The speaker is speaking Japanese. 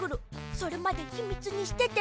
それまでひみつにしてて。